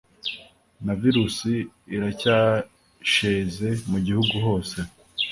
na virusi iracyasheze mugihugu hose